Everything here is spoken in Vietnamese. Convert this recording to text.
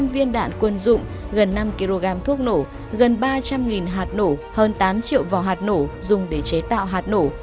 một mươi viên đạn quân dụng gần năm kg thuốc nổ gần ba trăm linh hạt nổ hơn tám triệu vỏ hạt nổ dùng để chế tạo hạt nổ